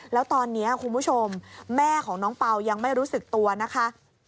แล้วตอนนี้คุณผู้ชมแม่ของน้องเปล่ายังไม่รู้สึกตัวนะคะ